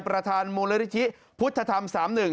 ประธานมูลนิธิพุทธธรรม๓๑